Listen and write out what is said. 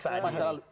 luar biasa ini